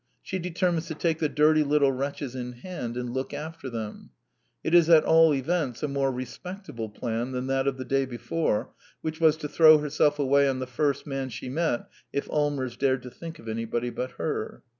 She determines to take the dirty little wretches in hand and look after them. It is at all events a more respectable plan than that of the day before, which was to throw herself away on the first man she met if Allmers dared to think of anybody but her.